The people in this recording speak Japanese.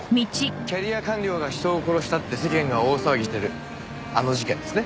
キャリア官僚が人を殺したって世間が大騒ぎしてるあの事件ですね？